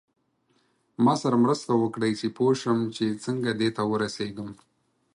ما سره مرسته وکړئ چې پوه شم چې څنګه دې ته ورسیږم.